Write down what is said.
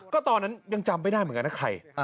ก็ตอนนั้นยังจำไม่ได้เหมือนกันนะใคร